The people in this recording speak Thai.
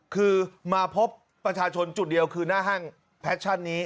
คือมาพบประชาชนจุดเดียวคือหน้าห้างแพชชั่นนี้